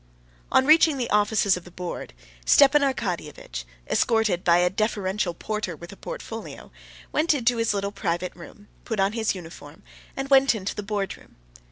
On reaching the offices of the board, Stepan Arkadyevitch, escorted by a deferential porter with a portfolio, went into his little private room, put on his uniform, and went into the boardroom.